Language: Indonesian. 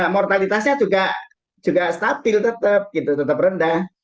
mortalitasnya juga stabil tetap gitu tetap rendah